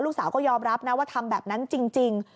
ลูกสาวก็ยอมรับนะว่าทำแบบนั้นจริง